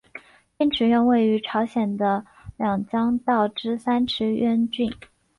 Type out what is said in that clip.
天池院位于朝鲜的两江道之三池渊郡。